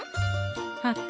はて？